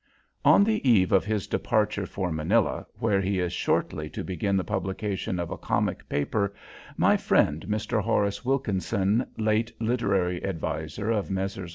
_On the eve of his departure for Manila, where he is shortly to begin the publication of a comic paper, my friend Mr. Horace Wilkinson, late literary adviser of Messrs.